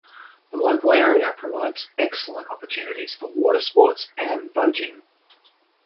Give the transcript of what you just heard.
The local area provides excellent opportunities for watersports and boating.